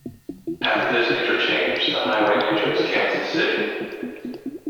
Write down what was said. After this interchange, the highway enters Kansas City.